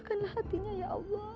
bukakanlah hatinya ya allah